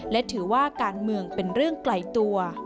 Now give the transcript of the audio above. และถือว่าการเมืองเป็นเรื่องไกลตัว